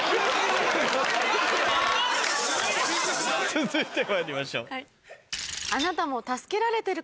続いてまいりましょう。